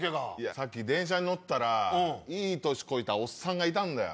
さっき電車に乗ってたらいい年こいたおっさんがいたんだよ。